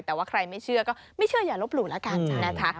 แต่ว่าใครไม่เชื่อก็ไม่เชื่ออย่าลบหลู่แล้วกันนะคะ